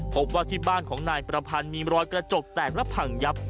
พบว่าที่บ้านของนายประพันธ์มีรอยกระจกแตกและพังยับ